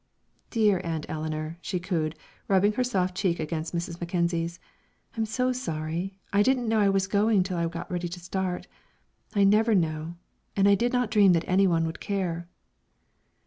"Dear Aunt Eleanor," she cooed, rubbing her soft cheek against Mrs. Mackenzie's, "I'm so sorry. I didn't know I was going till I got ready to start, I never know, and I did not dream that any one would care."